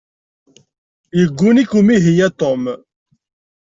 Yegguni-k umihi a Tom.